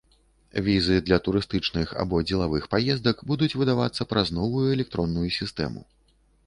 Візы для турыстычных або дзелавых паездак будуць выдавацца праз новую электронную сістэму.